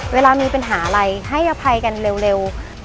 เวลามีปัญหาอะไรให้อภัยกันเร็ว